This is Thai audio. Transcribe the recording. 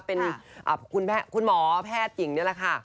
เป็นคุณหมอแพทย์หญิงนี่แหละค่ะ